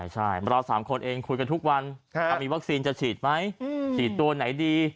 ใช่เรา๓คนเองคุยกันทุกวันถ้ามีวัคซีนจะฉีดไหมฉีดตัวไหนดี